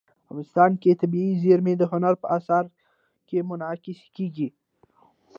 افغانستان کې طبیعي زیرمې د هنر په اثار کې منعکس کېږي.